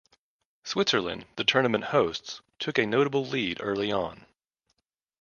Switzerland, the tournament hosts, took a notable lead early on.